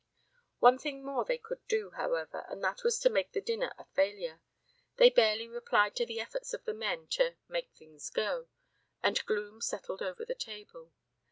One thing more they could do, however, and that was to make the dinner a failure. They barely replied to the efforts of the men to "make things go" and gloom settled over the table.